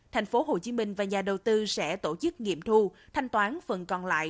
tp hcm và nhà đầu tư sẽ tổ chức nghiệm thu thanh toán phần còn lại